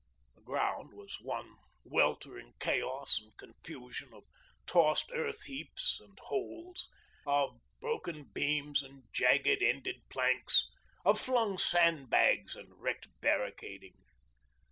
The ground was one weltering chaos and confusion of tossed earth heaps and holes, of broken beams and jagged ended planks, of flung sandbags and wrecked barricading.